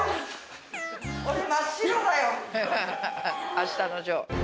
あしたのジョー。